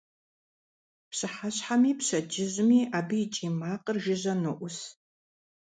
Пщыхьэщхьэми пщэдджыжьми абы и кӀий макъыр жыжьэ ноӀус.